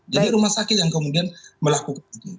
jadi rumah sakit yang kemudian melakukan